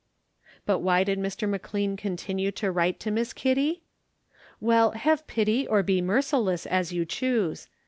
But why did Mr. McLean continue to write to Miss Kitty? Well, have pity or be merciless as you choose.